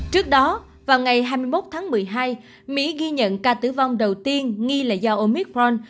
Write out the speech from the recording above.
trước đó vào ngày hai mươi một tháng một mươi hai mỹ ghi nhận ca tử vong đầu tiên nghi là do omicron